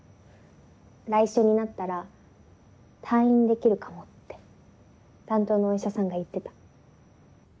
来週になったら退院できるかもって担当のお医者さんが言ってた。